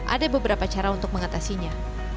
ada beberapa cara untuk mengatasinya